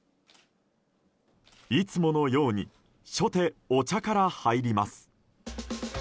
いつものように初手お茶から入ります。